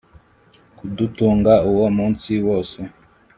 kudutunga uwo munsi wose